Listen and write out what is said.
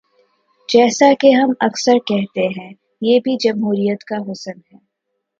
جیسا کہ ہم اکثر کہتے ہیں، یہ بھی جمہوریت کا حسن ہے۔